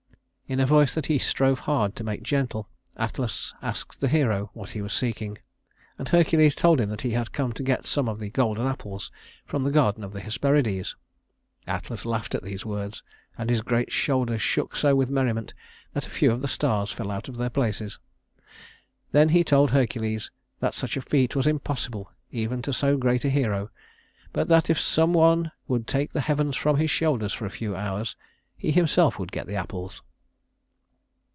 In a voice that he strove hard to make gentle, Atlas asked the hero what he was seeking, and Hercules told him that he had come to get some of the golden apples from the Garden of the Hesperides. Atlas laughed at these words, and his great shoulders shook so with merriment that a few of the stars fell out of their places. Then he told Hercules that such a feat was impossible even to so great a hero; but that if some one would take the heavens from his shoulders for a few hours, he himself would get the apples.